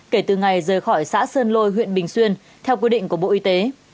kể từ ngày rời khỏi xã sơn lôi huyện bình xuyên theo quy định của bộ y tế